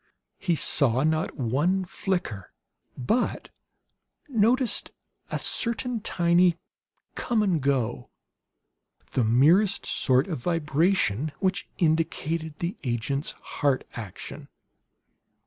He saw not one flicker, but noticed a certain tiny come and go, the merest sort of vibration, which indicated the agent's heart action.